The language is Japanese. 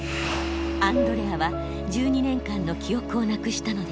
アンドレアは１２年間の記憶をなくしたのです。